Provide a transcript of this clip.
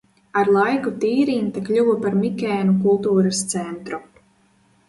Ar laiku Tīrinta kļuva par Mikēnu kultūras centru.